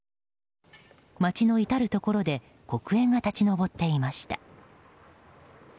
街の至るところで黒煙が立ち上っていました。